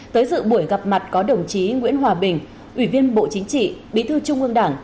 tới dự buổi gặp mặt có đồng chí nguyễn hòa bình ủy viên bộ chính trị bí thư trung ương đảng